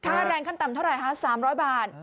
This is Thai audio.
ค่าแรงขั้นต่ำเท่าไหร่คะ๓๐๐บาท